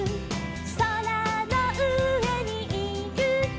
「そらのうえにいると」